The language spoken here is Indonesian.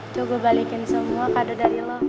coba gue balikin semua kado dari lo